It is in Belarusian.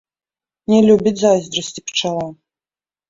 Не любіць зайздрасці пчала